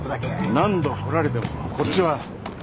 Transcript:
何度来られてもこっちは。